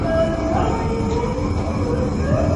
pale lakini ndugu wainaina sasa tukiangazia